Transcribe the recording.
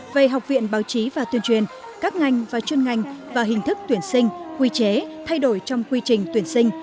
về học viện báo chí và tuyên truyền các ngành và chuyên ngành và hình thức tuyển sinh quy chế thay đổi trong quy trình tuyển sinh